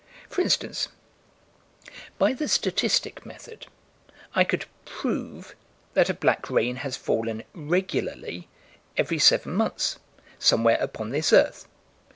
For instance, by the statistic method, I could "prove" that a black rain has fallen "regularly" every seven months, somewhere upon this earth.